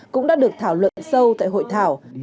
cũng đã được thảo luận sâu tại hội thảo